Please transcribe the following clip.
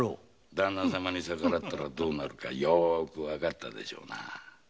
ダンナ様に逆らったらどうなるかよくわかったでしょうな。